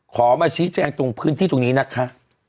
ขอมาชี้แจงตรงพื้นที่ตรงนี้นะคะ